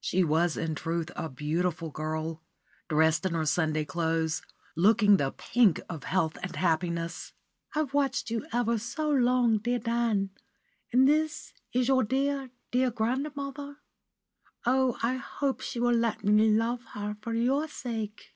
She was in truth a beautiful girl, dressed in her Sunday clothes, looking the pink of health and happiness. "I've watched you ever so long, dear Dan; and this is your dear, dear grandmother? Oh, I hope she will let me love her for your sake."